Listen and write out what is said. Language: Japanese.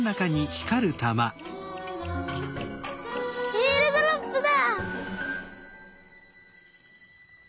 えーるドロップだ！